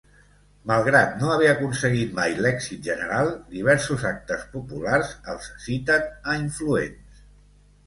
Malgrat no haver aconseguit mai l'èxit general, diversos actes populars els citen a influents.